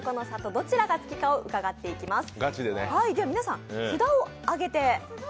どちらが好きかを伺っていきます。